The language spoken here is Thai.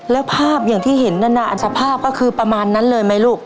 แล้วภาพอย่างที่เห็นนั่นน่ะสภาพก็คือประมาณนั้นเลยไหมลูก